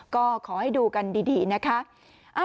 ก็ขอให้ดูกันดีนะคะ